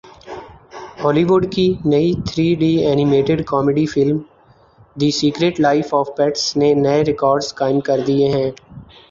ہالی وڈ کی نئی three D animated comedy film the secret life of pets نے نئے ریکارڈز قائم کر دیے ہیں